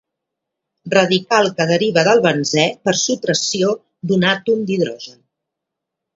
Radical que deriva del benzè per supressió d'un àtom d'hidrogen.